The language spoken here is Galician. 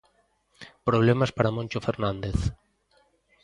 Problemas para Moncho Fernández.